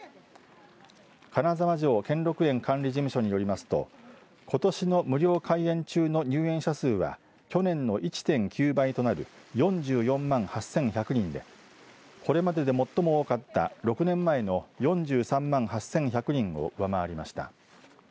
金沢城・兼六園管理事務所によりますとことしの無料開園中の入園者数は去年の１．９倍となる４４万８１００人でこれまでで最も多かった６年前の４３万８１００人を上回りました。